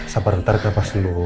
sabar nanti keras dulu